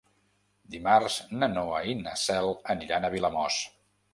Dimarts na Noa i na Cel aniran a Vilamòs.